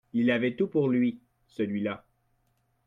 Il avait tout pour lui, celui-la